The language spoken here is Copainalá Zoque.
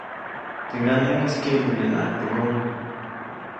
Teʼ ŋganaʼŋis kyäŋʼäbyanaʼajk teʼ ŋgomi.